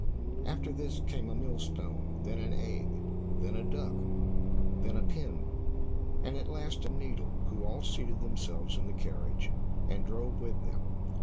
After this came a millstone, then an egg, then a duck, then a pin, and at last a needle, who all seated themselves in the carriage, and drove with them.